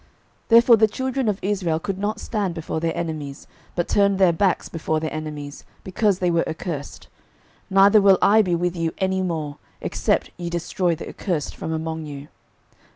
06:007:012 Therefore the children of Israel could not stand before their enemies, but turned their backs before their enemies, because they were accursed: neither will I be with you any more, except ye destroy the accursed from among you.